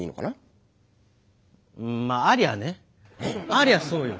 ありゃあそうよ。